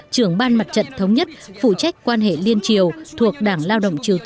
trưởng ban mặt trận thống nhất phụ trách quan hệ liên triều thuộc đảng lao đồng